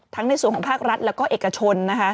ทั้งในส่วนของภาครัฐและเอกชน